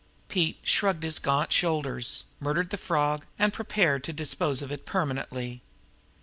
Pete shrugged his gaunt shoulders, murdered the frog, and prepared to dispose of it permanently.